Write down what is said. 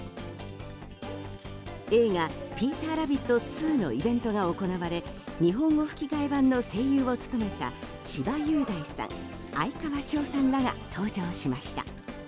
映画「ピーターラビット２」のイベントが行われ日本語吹き替え版の声優を務めた千葉雄大さん、哀川翔さんらが登場しました。